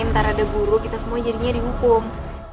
ntar ada guru kita semua jadinya dihukum